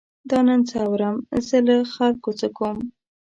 دا نن څه اورم، زه له خلکو څه کوم.